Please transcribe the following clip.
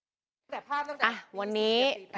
ถ้าผมพิสูจน์ได้นะครับผมก็ไม่ผิด